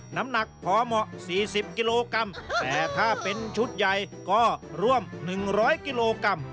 น้ำหนักพอเหมาะ๔๐กิโลกรัมแต่ถ้าเป็นชุดใหญ่ก็ร่วม๑๐๐กิโลกรัม